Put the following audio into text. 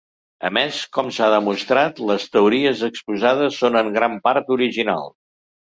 A més, com s'ha demostrat, les teories exposades són en gran part originals.